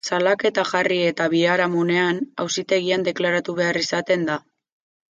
Salaketa jarri eta biharamunean, auzitegian deklaratu behar izaten da.